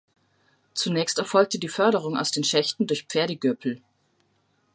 Zunächst erfolgte die Förderung aus den Schächten durch Pferdegöpel.